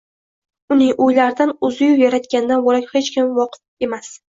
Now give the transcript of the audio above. Uning o`ylaridan o`zi-yu Yaratgandan bo`lak hech bir kim voqif emas